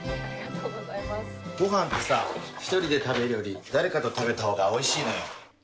ごはんってさ１人で食べるより誰かと食べたほうがおいしいのよ。